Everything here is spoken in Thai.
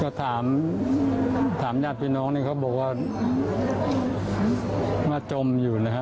ก็ถามถามญาติพี่น้องนี่เขาบอกว่ามาจมอยู่นะฮะ